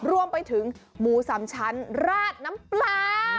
รวมไปถึงหมูสามชั้นราดน้ำปลา